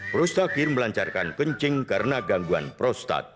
prostakir melancarkan kencing karena gangguan prostat